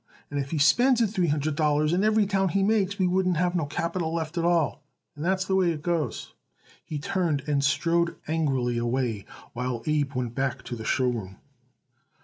And if he spends it three hundred dollars in every town he makes we wouldn't have no capital left at all. And that's the way it goes." He turned and strode angrily away, while Abe went back to the show room.